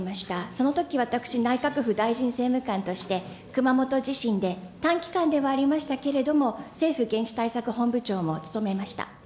そのとき、私、内閣府大臣政務官として熊本地震で短期間ではありましたけれども、政府現地対策本部長も務めました。